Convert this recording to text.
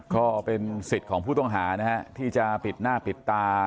ก็เป็นสิทธิ์ของผู้ต้องหานะฮะที่จะปิดหน้าปิดตา